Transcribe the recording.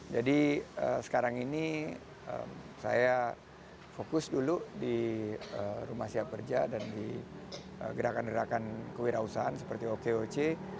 sekarang ini saya fokus dulu di rumah siap kerja dan di gerakan gerakan kewirausahaan seperti okoc